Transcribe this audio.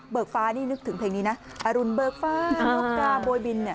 ฟ้านี่นึกถึงเพลงนี้นะอรุณเบิกฟ้าน็อกก้าโบยบินเนี่ย